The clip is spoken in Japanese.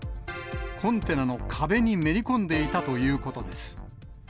コンテナの壁にめり込んでいたということです。